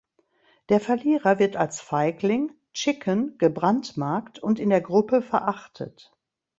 Der Verlierer wird als Feigling (Chicken) gebrandmarkt und in der Gruppe verachtet.